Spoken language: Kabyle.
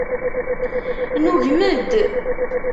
Nugem-d.